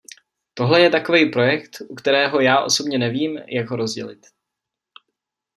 Tohle je takovej projekt, u kterého já osobně nevím, jak ho rozdělit.